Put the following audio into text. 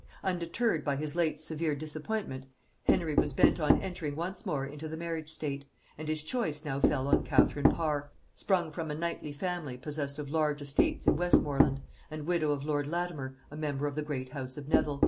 Undeterred by his late severe disappointment Henry was bent on entering once more into the marriage state, and his choice now fell on Catherine Parr, sprung from a knightly family possessed of large estates in Westmoreland, and widow of lord Latimer, a member of the great house of Nevil.